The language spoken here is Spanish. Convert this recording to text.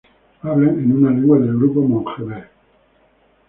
Hablan una lengua del grupo mon-jemer.